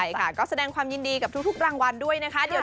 ใช่ค่ะก็แสดงความยินดีกับทุกรางวัลด้วยนะคะ